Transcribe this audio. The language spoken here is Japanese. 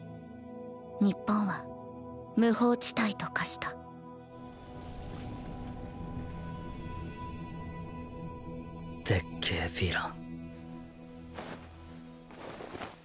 日本は無法地帯と化したでっけーヴィラン。